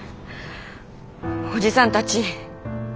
おじさんたち